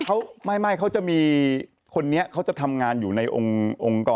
เท่าที่สร้างมาเขาจะมีคนนี้เขาจะทำงานอยู่ในองค์กร